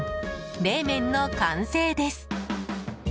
冷麺の完成です。